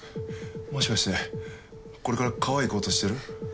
もしかしてこれから川行こうとしてる？